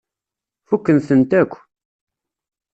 Fukken-tent akk.